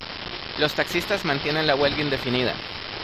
Los taxistas mantienen la huelga indefinida.